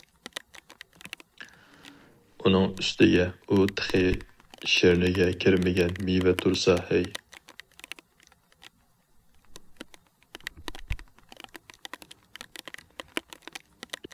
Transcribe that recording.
ئۇنىڭ ئۈستىگە ئۇ تېخى شىرنىگە كىرمىگەن مېۋە تۇرسا ھەي!